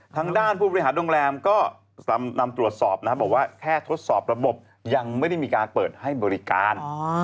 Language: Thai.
ทางด้านผู้บริหารโรงแรมก็นำตรวจสอบนะครับบอกว่าแค่ทดสอบระบบยังไม่ได้มีการเปิดให้บริการ